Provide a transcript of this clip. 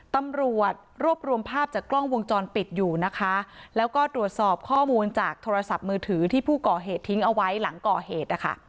ตำรวจรวบรวมภาพจากกล้องวงจรปิดอยู่นะคะแล้วก็ตรวจสอบข้อมูลจากโทรศัพท์มือถือที่ผู้ก่อเหตุทิ้งเอาไว้หลังก่อเหตุนะคะ